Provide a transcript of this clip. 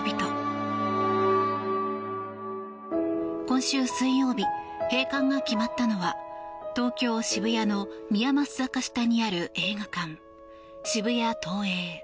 今週水曜日閉館が決まったのは東京・渋谷の宮益坂下にある映画館、渋谷ＴＯＥＩ。